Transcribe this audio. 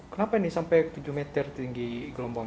kenapa ini sampai tujuh meter tinggi gelombang